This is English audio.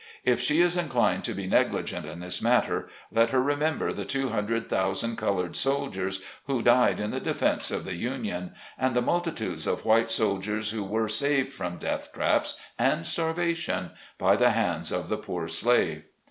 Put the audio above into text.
If she is inclined to be negligent in this matter, let her remember the two hundred thousand colored soldiers who died in the defence of the Union, and the multitudes of white soldiers who were saved from death traps, and starvation, by the hands of the poor slave.